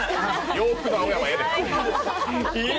洋服の青山ええで。